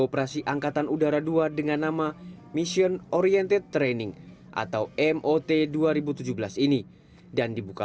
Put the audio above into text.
operasi angkatan udara dua dengan nama mission oriented training atau mot dua ribu tujuh belas ini dan dibuka